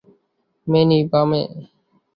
Many, বামে।